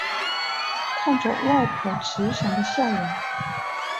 看着外婆慈祥的笑容